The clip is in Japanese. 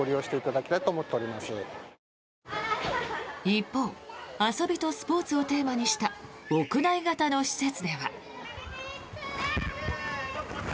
一方、遊びとスポーツをテーマにした屋内型の施設では。